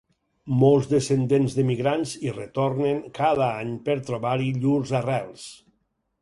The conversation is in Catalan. Molts descendents d'emigrants hi retornen cada any per trobar-hi llurs arrels.